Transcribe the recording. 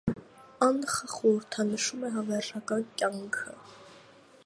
Անխը խորհրդանշում է հավերժական կյանքը։